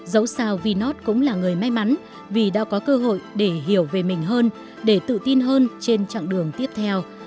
dẫu sao vinod cũng là người may mắn vì đã có cơ hội để hiểu về mình hơn để tự tin hơn trên chặng đường tiếp theo